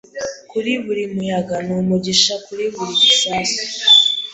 kuri buri muyaga numugisha kuri buri gisasu